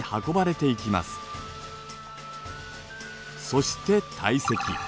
そして堆積。